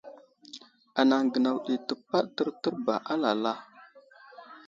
Anaŋ gənaw ɗi təpaɗ tərtər ba alala.